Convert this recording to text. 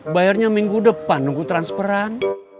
bayarnya minggu depan nunggu transferan